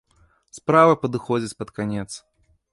Справа падыходзіць пад канец.